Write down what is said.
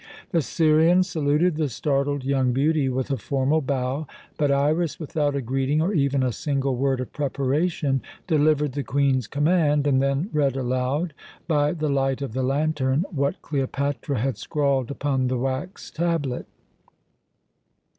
The Syrian saluted the startled young beauty with a formal bow, but Iras, without a greeting or even a single word of preparation, delivered the Queen's command, and then read aloud, by the light of the lantern, what Cleopatra had scrawled upon the wax tablet.